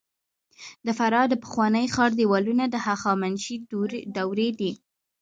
د فراه د پخواني ښار دیوالونه د هخامنشي دورې دي